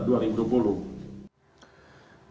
wajah kabinet indonesia